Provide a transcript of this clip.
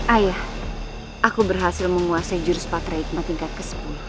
ayah aku berhasil menguasai jurus patrikma tingkat ke sepuluh